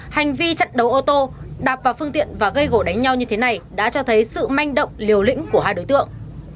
hành vi chặn đấu ô tô đạp vào phương tiện và gây gỗ đánh nhau như thế này đã cho thấy sự manh động liều lĩnh của hai đối tượng